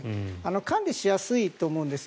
管理しやすいと思うんですよ。